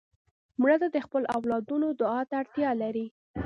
مړه د خپلو اولادونو دعا ته اړتیا لري